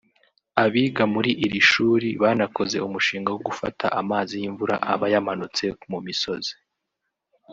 Abiga muri iri shuli banakoze umushinga wo gufata amazi y’imvura aba yamanutse mu misozi